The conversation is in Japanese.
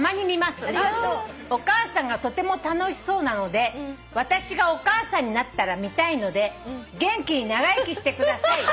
「お母さんがとても楽しそうなので私がお母さんになったら見たいので元気に長生きしてください」